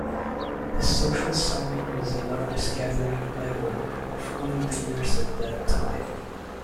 The Social Summit was the largest gathering ever of world leaders at that time.